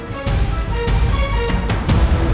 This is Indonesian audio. tidak ada yang bisa dihukum